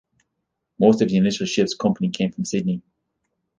Most of the initial ship's company came from "Sydney".